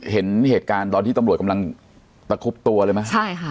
เห็นเหตุการณ์ตอนที่ตำรวจกำลังตะคุบตัวเลยไหมใช่ค่ะ